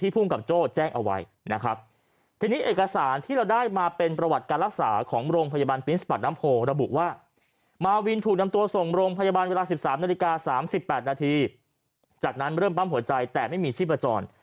ซึ่ง๑๓นาฬิกา๓๘นาทีจากนั้นเริ่มปั๊มหัวใจแต่ไม่มีชีพจร